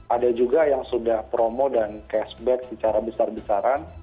ada juga yang sudah promo dan cashback secara besar besaran